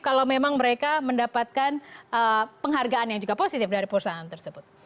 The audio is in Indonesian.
kalau memang mereka mendapatkan penghargaan yang juga positif dari perusahaan tersebut